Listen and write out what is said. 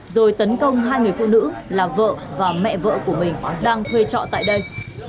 rồi tấn công hai người phụ nữ là vợ và mẹ vợ của mình đang thuê trọ tại đây